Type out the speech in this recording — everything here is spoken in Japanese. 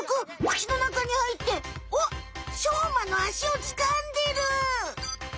口の中にはいっておっしょうまのあしをつかんでる！